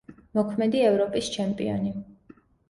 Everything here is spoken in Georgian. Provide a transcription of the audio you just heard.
მოქმედი ევროპის ჩემპიონი.